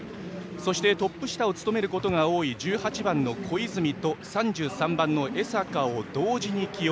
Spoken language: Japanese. そして、トップ下を務めることが多い１８番の小泉と３３番の江坂を同時に起用。